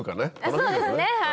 そうですね。